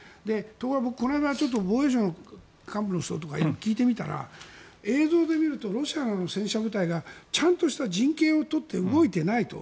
ところがこの前、僕防衛省の幹部の人とかに聞いてみたら映像で見るとロシアの戦車部隊がちゃんとした陣形を取って動いていないと。